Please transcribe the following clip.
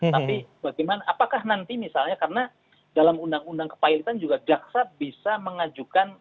tapi bagaimana apakah nanti misalnya karena dalam undang undang kepilitan juga jaksa bisa mengajukan